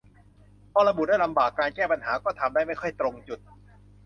พอระบุได้ลำบาก การแก้ปัญหาก็ทำได้ไม่ค่อยตรงจุด